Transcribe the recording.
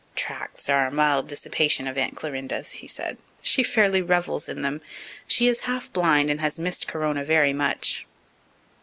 "Tracts are a mild dissipation of Aunt Clorinda's," he said. "She fairly revels in them. She is half blind and has missed Corona very much."